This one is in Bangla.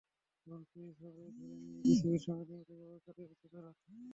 বরং সিরিজ হবে ধরে নিয়েই বিসিবির সঙ্গে নিয়মিত যোগাযোগ চালিয়ে যাচ্ছে তারা।